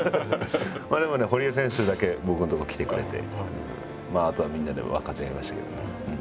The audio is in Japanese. でもね堀江選手だけ僕の所来てくれてあとはみんなで分かち合いましたけども。